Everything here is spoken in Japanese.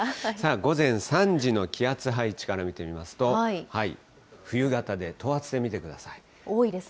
さあ、午前３時の気圧配置から見てみますと、冬型で等圧線見てください。